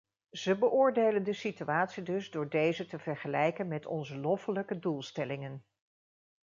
Ze beoordelen de situatie dus door deze te vergelijken met onze loffelijke doelstellingen.